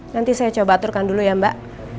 nanti saya coba aturkan dulu ya mbak